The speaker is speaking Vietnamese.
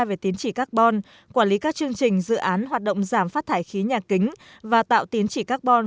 về tiến trị carbon quản lý các chương trình dự án hoạt động giảm phát thải khí nhà kính và tạo tín chỉ carbon